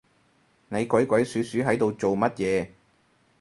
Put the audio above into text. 你鬼鬼鼠鼠係度做乜嘢